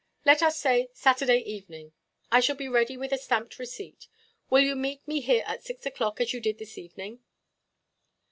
Let us say Saturday evening. I shall be ready with a stamped receipt. Will you meet me here at six oʼclock, as you did this evening?"